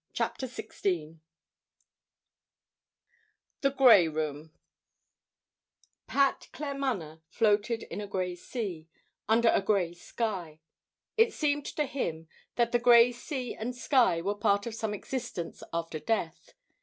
CHAPTER XVI THE GREY ROOM Pat Claremanagh floated in a grey sea, under a grey sky. It seemed to him that the grey sea and sky were part of some existence after death.